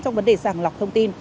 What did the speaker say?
trong vấn đề sàng lọc thông tin